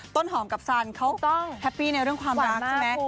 ต้นหอมกับซันเขาแฮปปี้ในเรื่องความรักใช่ไหม